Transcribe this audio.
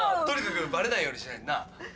とにかくバレないようにしないとな。